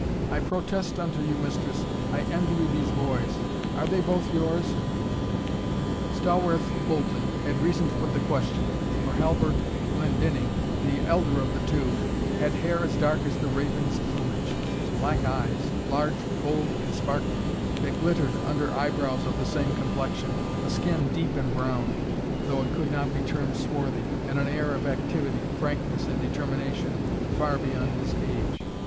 "I protest unto you, mistress, I envy you these boys. Are they both yours?" Stawarth Bolton had reason to put the question, for Halbert Glendinning, the elder of the two, had hair as dark as the raven's plumage, black eyes, large, bold, and sparkling, that glittered under eyebrows of the same complexion; a skin deep embrowned, though it could not be termed swarthy, and an air of activity, frankness, and determination, far beyond his age.